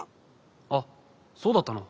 あっそうだったの？